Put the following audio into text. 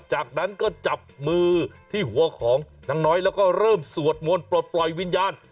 จากนั้นก็จับมือที่หัวของนางน้อยแล้วก็เริ่มสวดมนต์ปลดปล่อยวิญญาณ